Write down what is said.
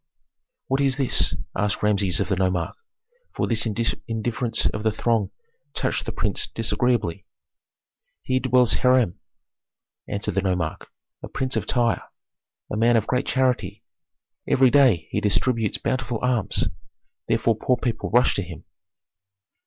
"What is this?" asked Rameses of the nomarch, for this indifference of the throng touched the prince disagreeably. "Here dwells Hiram," answered the nomarch, "a prince of Tyre, a man of great charity. Every day he distributes bountiful alms, therefore poor people rush to him."